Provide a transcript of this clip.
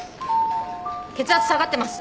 血圧下がってます。